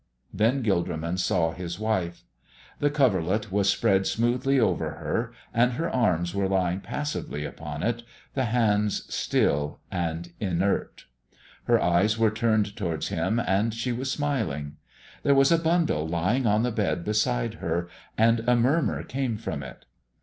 Then Gilderman saw his wife. The coverlet was spread smoothly over her, and her arms were lying passively upon it, the hands still and inert. Her eyes were turned towards him and she was smiling. There was a bundle lying on the bed beside her and a murmur came from it.